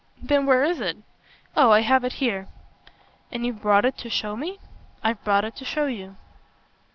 "Then where is it?" "Oh I have it here." "And you've brought it to show me?" "I've brought it to show you."